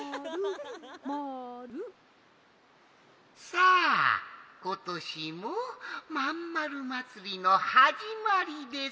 さあことしもまんまるまつりのはじまりです。